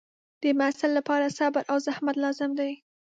د محصل لپاره صبر او زحمت لازم دی.